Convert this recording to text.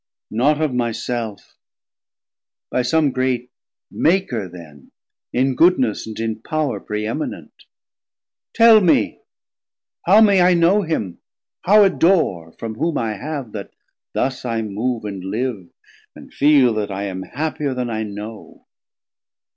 Not of my self; by some great Maker then, In goodness and in power praeeminent; Tell me, how may I know him, how adore, 280 From whom I have that thus I move and live, And feel that I am happier then I know.